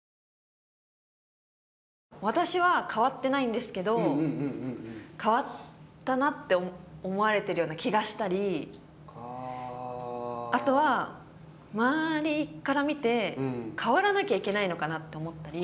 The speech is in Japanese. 私は変わってないんですけど変わったなって思われてるような気がしたりあとは周りから見て変わらなきゃいけないのかなって思ったり。